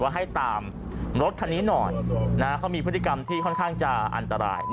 ให้ตามรถคันนี้หน่อยเขามีพฤติกรรมที่ค่อนข้างจะอันตราย